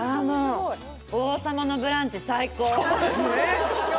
「王様のブランチ」、最高。